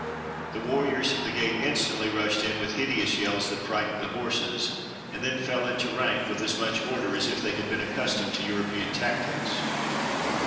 The warriors of the gate instantly rushed in with hideous yells that frightened the horses, and then fell into rank with as much order as if they had been accustomed to European tactics.